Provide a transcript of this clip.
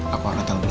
aku akan tahu benar